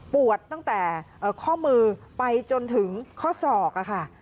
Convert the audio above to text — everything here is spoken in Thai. ตั้งแต่ข้อมือไปจนถึงข้อศอกค่ะ